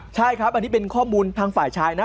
ใช่ครับอันนี้เป็นข้อมูลทางฝ่ายชายนะ